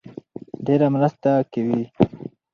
ډېره مرسته کوي